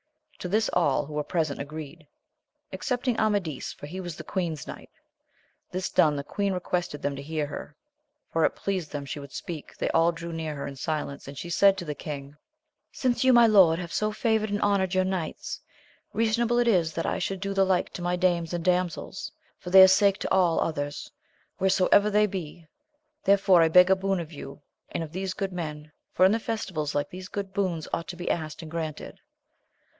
To this all who were present agreed, excepting Amadis, for he was the queen's knight. This done, the queen requested them to hear her, for if it pleased them she would speak. They all drew near her in silence, and she said to the king, Since you, my lord, have so favoured and honoured your knights, reasonable it is that I should do the like to my dames and damsels, and for their sake to all others whereso ever they be ; therefore, I beg a boon of you and of these good men, for in festivals like these good boons ought to be asked and granted.